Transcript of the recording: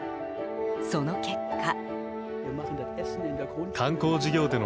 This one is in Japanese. その結果。